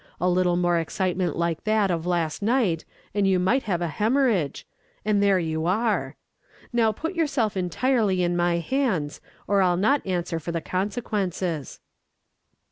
A little more excitement like that of last night, and you might have a hemorrhage and there you are! Now put yourself entirely in my hands, or I'll not answer for the consequences."